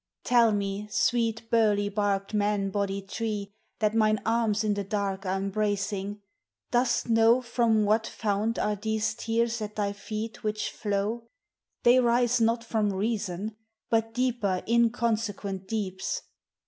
Tell me, sweet burly barked man bodied Tree That mine arms in the dark are embracing, dost know From what fount are these tears at thy feet which flow? They rise not from reason, but deeper inconse quent deeps.